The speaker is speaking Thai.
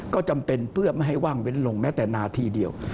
ก็จำเป็นเพื่อไม่ให้ว่างเว้นลงแม้แต่นาทีเดียว